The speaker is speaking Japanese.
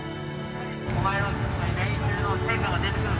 お前の練習の成果が出てくるぞ。